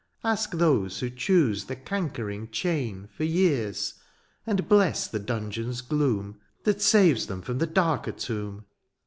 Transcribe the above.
" Ask those who choose the cankering chain " For years, and bless the dungeon^s gloom " That saves them from the darker tomb.